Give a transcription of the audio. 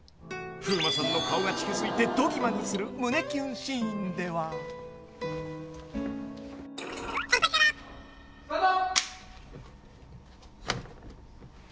［風磨さんの顔が近づいてどぎまぎする胸キュンシーンでは］スタート。